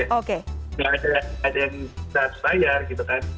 nggak ada yang nge daspire gitu kan